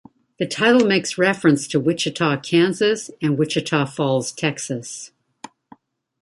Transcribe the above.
The title makes reference to Wichita Kansas, and Wichita Falls, Texas.